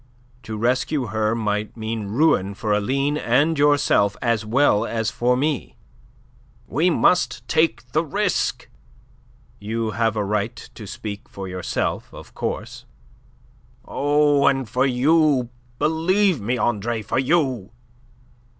To rescue her might mean ruin for Aline and yourself as well as for me." "We must take the risk." "You have a right to speak for yourself, of course." "Oh, and for you, believe me, Andre, for you!"